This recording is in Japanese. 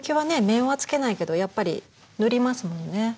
面はつけないけどやっぱり塗りますもんね。